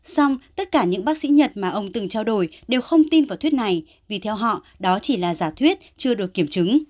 xong tất cả những bác sĩ nhật mà ông từng trao đổi đều không tin vào thuyết này vì theo họ đó chỉ là giả thuyết chưa được kiểm chứng